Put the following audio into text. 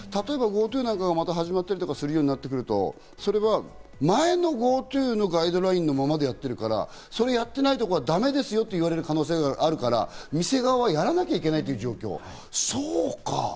ＧｏＴｏなんかがまた始まったりするようになると、前のＧｏＴｏのガイドラインのままでやってるから、そうやってないところはだめですよと言われる可能性があるから店側はやらなきゃいけない状況。